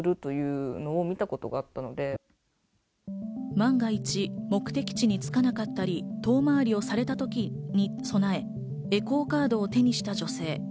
万が一、目的地に着かなかったり、遠回りをされた時に備えエコーカードを手にした女性。